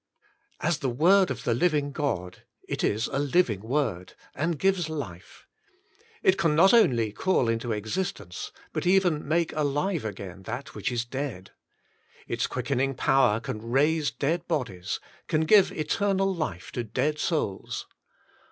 As the word of the Living God it is a living word, and gives life. It can not only call into existence, but even make alive again that which is dead. Its quickening power can raise dead bodies, can give eternal life to dead souls.